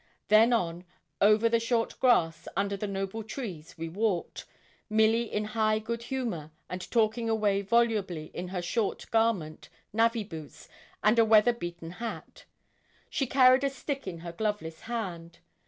Then on, over the short grass, under the noble trees, we walked; Milly in high good humour, and talking away volubly, in her short garment, navvy boots, and a weather beaten hat. She carried a stick in her gloveless hand.